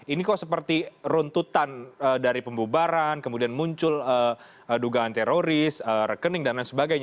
ini kok seperti runtutan dari pembubaran kemudian muncul dugaan teroris rekening dan lain sebagainya